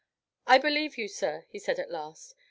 "I believe you, sir," he said at last.